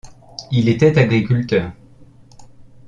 Il était agriculteur.